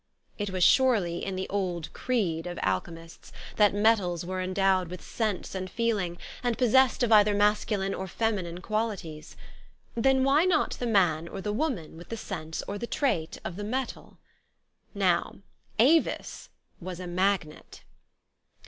" It was surely in the old creed of the alclie 10 THE STOKY OF AVIS. mists, that metals were endowed with sense and feeling, and possessed of either masculine or femi nine qualities. Then why not the man or the woman with the sense or the trait of the metal? Now, Avis was a magnet.